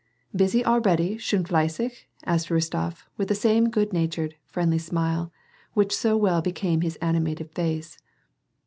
" Busy already, schon flelssig ?" asked Rostof, with the same good natured, friendly smile, which so well became his ani mated face.